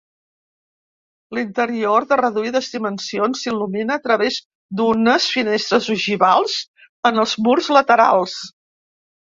L'interior, de reduïdes dimensions, s'il·lumina a través d'unes finestres ogivals en els murs laterals.